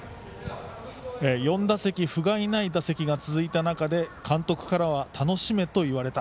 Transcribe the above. ４打席ふがいない打席が続いた中で監督からは楽しめと言われた。